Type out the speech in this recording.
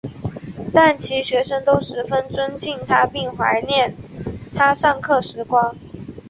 但其学生都十分尊敬他并怀念他上课时光。